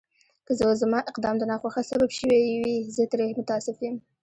که زما اقدام د ناخوښۍ سبب شوی وي، زه ترې متأسف یم.